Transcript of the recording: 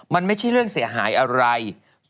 มันไม่ใช่เรื่องเสียหายอะไร